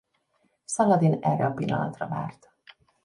Szaladin erre a pillanatra várt.